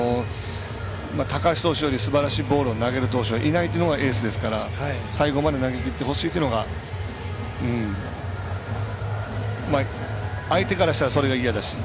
高橋投手よりすばらしいボールを投げる投手はいないというのがエースですから最後まで投げきってほしいというのが相手からしたら、それが嫌だし。